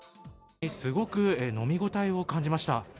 すごく飲み応えを感じました。